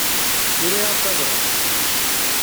Yura-aɣ-d tabrat.